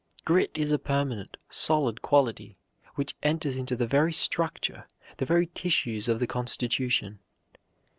Grit is a permanent, solid quality, which enters into the very structure, the very tissues of the constitution.